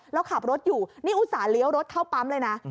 แล้วขับรถอยู่นี่อุตส่าหเลี้ยวรถเข้าปั๊มเลยนะ